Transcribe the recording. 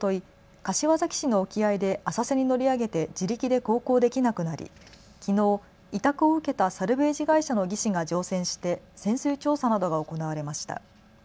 柏崎市の沖合で浅瀬に乗り上げて自力で航行できなくなり、きのう委託を受けたサルベージ会社の技師が乗船して潜水調査などが行われました。